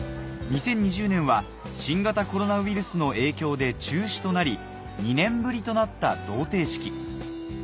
２０２０年は新型コロナウイルスの影響で中止となり２年ぶりとなった贈呈式